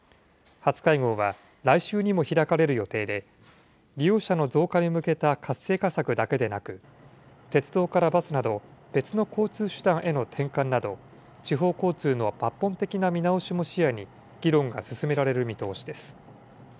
初会合は来週にも開かれる予定で、利用者の増加に向けた活性化策だけでなく、鉄道からバスなど、別の交通手段への転換など、地方交通の抜本的な見直しも視野に、議論が進められる見通しです。